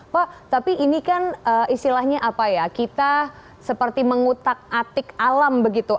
pak tapi ini kan istilahnya apa ya kita seperti mengutak atik alam begitu